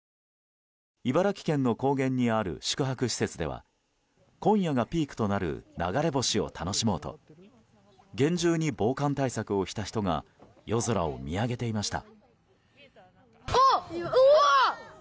茨城県の高原にある宿泊施設では今夜がピークとなる流れ星を楽しもうと厳重に防寒対策をした人が夜空を見上げていました。